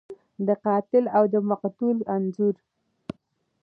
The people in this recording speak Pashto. د قاتل او د مقتول انځور